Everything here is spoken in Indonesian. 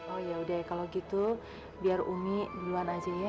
oh yaudah kalau gitu biar umi duluan aja ya